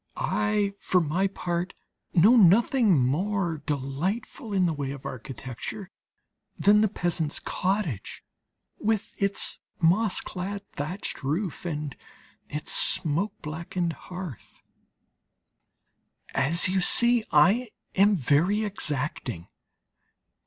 I for my part know nothing more delightful in the way of architecture than the peasant's cottage, with its moss clad thatched roof and its smoke blackened hearth. As you see, I am very exacting.